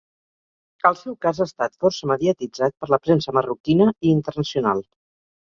El seu cas ha estat força mediatitzat per la premsa marroquina i internacional.